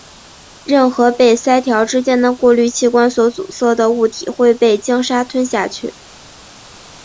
任何被鳃条之间的过滤器官所阻塞的物体会被鲸鲨吞下去。